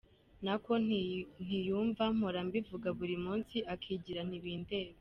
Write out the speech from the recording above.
Nako ntiyumva mpora mbivuga buri munsi akigira ntibindeba.